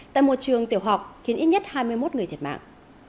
tại một trường tiểu học khiến ít nhất hai mươi một người thiệt mạng